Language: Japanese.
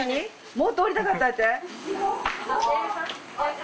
もっとおりたかったいうて？